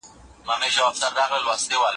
له ناروغ سره فاصله وساته